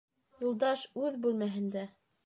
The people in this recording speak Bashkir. Юлдаш үҙ бүлмәһендә.